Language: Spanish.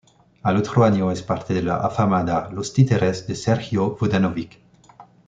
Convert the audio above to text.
Al otro año es parte de la afamada "Los Títeres" de Sergio Vodanovic.